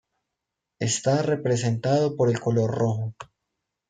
Está representado por el color rojo.